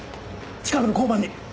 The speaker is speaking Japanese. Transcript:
近くの交番に！